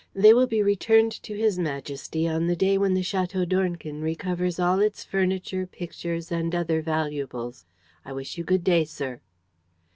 They will be returned to His Majesty on the day when the Château d'Ornequin recovers all its furniture, pictures and other valuables. I wish you good day, sir."